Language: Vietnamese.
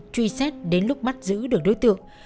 truy xét đến lúc mắt giữ được đối tượng